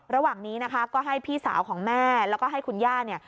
ระหว่างนี้ก็ให้พี่สาวของแม่แล้วก็ให้คุณญาติ